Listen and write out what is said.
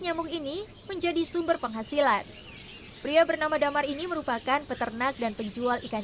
nyamuk ini menjadi sumber penghasilan pria bernama damar ini merupakan peternak dan penjual ikan